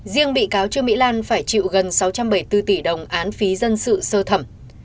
riêng bị cáo trương mỹ lan phải chịu gần sáu trăm bảy mươi bốn tỷ đồng án phí dân sự sơ thẩm